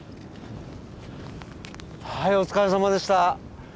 はいお疲れさまでした。